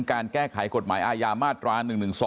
การแก้ไขกฎหมายอาญามาตรา๑๑๒